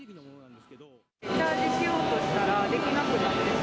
チャージしようとしたら、できなくなってて。